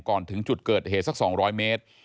ถึงจุดเกิดเหตุสัก๒๐๐เมตร